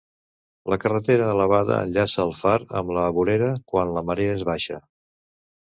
La carretera elevada enllaça el far amb la vorera quan la marea és baixa.